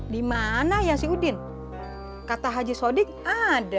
dimana ya si udin kata haji shodik ada